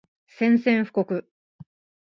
宣戦布告